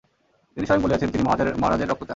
তিনি স্বয়ং বলিয়াছেন, তিনি মহারাজের রক্ত চান।